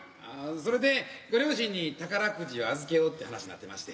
それでご両親に宝くじを預けようって話なってまして。